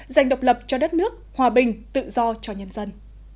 dành độc lập cho đất nước hòa bình tự do cho nhân dân